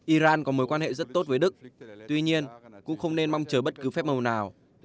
iran có mối quan hệ rất tốt với đức tuy nhiên cũng không nên mong chờ bất cứ phép màu nào